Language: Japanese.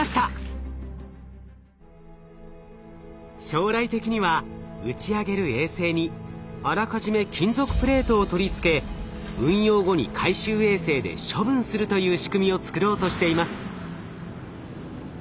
将来的には打ち上げる衛星にあらかじめ金属プレートを取り付け運用後に回収衛星で処分するという仕組みを作ろうとしています。